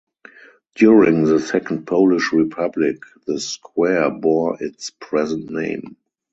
During the Second Polish Republic the square bore its present name.